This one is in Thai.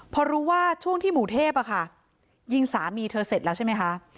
พอรู้ว่าช่วงที่หมู่เทพยิงสามีเธอเสร็จแล้วใช่ไหมคะ